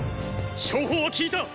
勝報は聞いたっ！